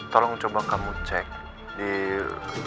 tolong coba kamu cek di lulusan apa ya